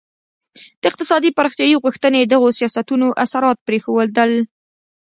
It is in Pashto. د اقتصادي پراختیايي غوښتنې دغو سیاستونو اثرات پرېښودل.